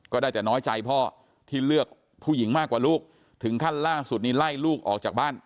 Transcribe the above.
ได้แต่น้อยใจพ่อที่เลือกผู้หญิงมากกว่าลูกถึงขั้นล่าสุดนี้ไล่ลูกออกจากบ้าน